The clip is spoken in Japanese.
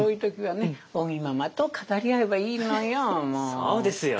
そうですよね。